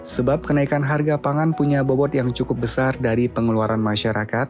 sebab kenaikan harga pangan punya bobot yang cukup besar dari pengeluaran masyarakat